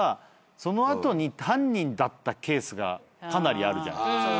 その後に犯人だったケースがかなりあるじゃん。